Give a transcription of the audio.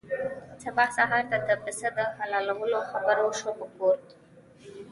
سبا سهار ته د پسه د حلالولو خبره وشوه په کور کې.